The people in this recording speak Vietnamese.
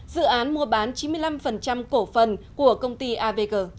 dự án mua bán chín mươi năm cổ phần của công ty avg